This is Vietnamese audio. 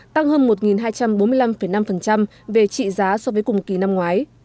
tăng hơn một hai trăm bốn mươi năm năm về trị giá so với cùng kỳ năm ngoái